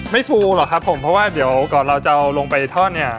ฟูหรอกครับผมเพราะว่าเดี๋ยวก่อนเราจะเอาลงไปทอดเนี่ย